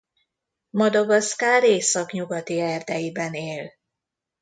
Madagaszkár északnyugati erdeiben él.